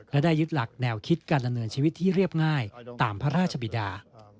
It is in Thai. และได้ยึดหลักแนวคิดการดำเนินชีวิตที่เรียบง่ายตามพระราชบิดา